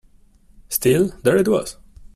Still, there it was.